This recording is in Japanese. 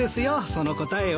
その答えは。